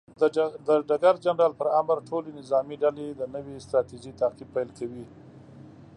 د ډګر جنرال پر امر، ټولې نظامي ډلې د نوې ستراتیژۍ تعقیب پیل کوي.